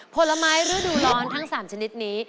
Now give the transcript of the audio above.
ผลไม้ฤดูร้อนทั้ง๓ชนิดนี้